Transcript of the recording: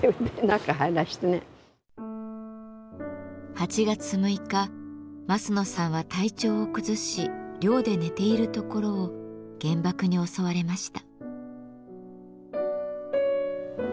８月６日増野さんは体調を崩し寮で寝ているところを原爆に襲われました。